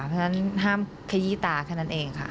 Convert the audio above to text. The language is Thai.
เพราะฉะนั้นห้ามขยี้ตาแค่นั้นเองค่ะ